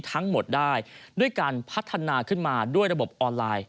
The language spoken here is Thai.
ทั้งหมดได้ด้วยการพัฒนาขึ้นมาด้วยระบบออนไลน์